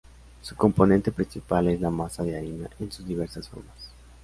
Su componente principal es la masa de harina en sus diversas formas.